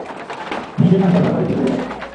নিজের নাম ব্যবহার করে ভেতরে যাবে।